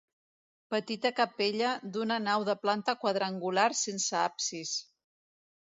Petita capella d'una nau de planta quadrangular sense absis.